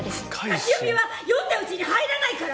流し読みは読んだうちに入らないから！